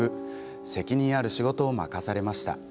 責任ある仕事を任されました。